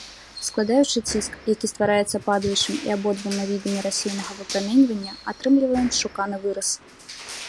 Складаючы ціск, які ствараецца падаючым і абодвума відамі рассеянага выпраменьвання, атрымліваем шуканы выраз.